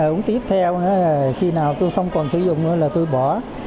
uống tiếp theo khi nào tôi không còn sử dụng nữa là tôi bỏ